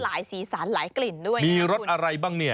สีสันหลายกลิ่นด้วยมีรสอะไรบ้างเนี่ย